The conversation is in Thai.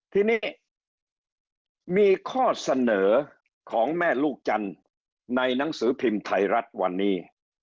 ทีนี้มีข้อเสนอของแม่ลูกจันทร์ในหนังสือพิมพ์ไทยรัฐวันนี้